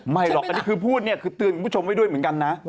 หรอกอันนี้คือพูดเนี่ยคือเตือนคุณผู้ชมไว้ด้วยเหมือนกันนะ